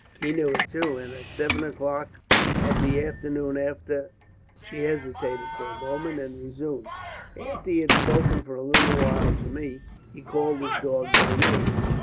"He knew it too, and at seven o'clock of the afternoon after " she hesitated for a moment and resumed, "after he had spoken for a little while to me, he called his dog by name.